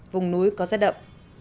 vùng núi có rét đậm